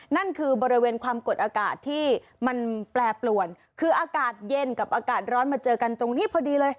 นั่นคือบริเวณความกดอากาศที่มันแปรปรวนคืออากาศเย็นกับอากาศร้อนมาเจอกันตรงนี้พอดีเลย